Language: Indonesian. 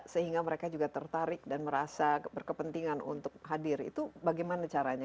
sehingga mereka juga tertarik dan merasa berkepentingan untuk hadir itu bagaimana caranya